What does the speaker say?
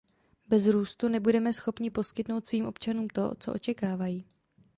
Bez růstu nebudeme schopni poskytnout svým občanům to, co očekávají.